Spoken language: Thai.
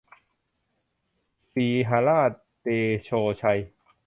สีหราชเดโชชัย